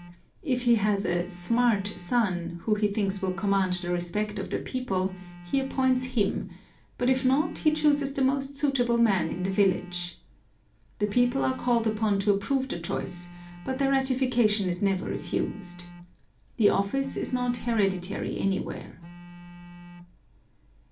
If he has a "smart" son, who he thinks will command the respect of the people, he appoints him; but if not, he chooses the most suitable man in the village. The people are called upon to approve the choice, but their ratification is never refused. The office is not hereditary anywhere.